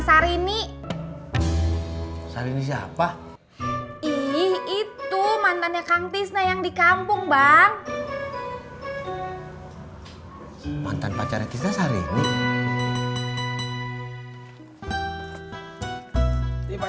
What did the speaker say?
syahrini syahrini siapa ih itu mantannya kang tisna yang di kampung bang mantan pacarnya